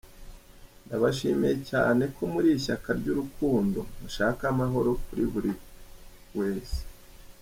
Ndabashimiye cyane ko murishyaka ryurukundo mushaka amahoro kuriburi wese